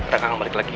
rekan kembali lagi